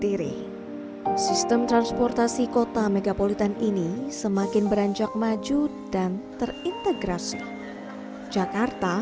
diri sistem transportasi kota megapolitan ini semakin beranjak maju dan terintegrasi jakarta